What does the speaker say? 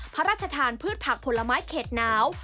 พระราชทานพืชผักผลไม้เข็ดหนาว